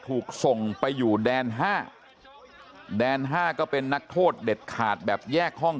ถูกส่งไปอยู่แดน๕แดน๕ก็เป็นนักโทษเด็ดขาดแบบแยกห้อง